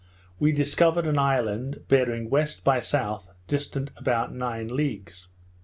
we discovered an island, bearing west by south, distant about nine leagues.